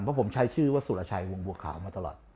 เพราะผมใช้ชื่อว่าสุรชัยวงบัวขาวมาตลอด